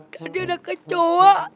gak ada ada kecoa